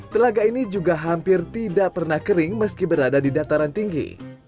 telaga ini juga hampir tidak pernah kering meski berada di dataran tinggi